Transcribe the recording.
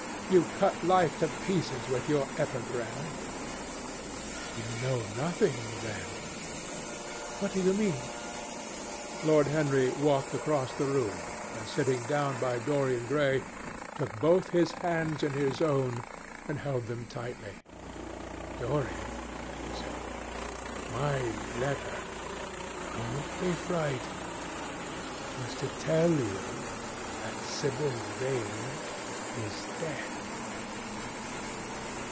You cut life to pieces with your epigrams." "You know nothing then?" "What do you mean?" Lord Henry walked across the room, and sitting down by Dorian Gray, took both his hands in his own and held them tightly. "Dorian," he said, "my letter—don't be frightened—was to tell you that Sibyl Vane is dead."